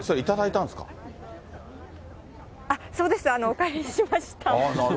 お借りしました。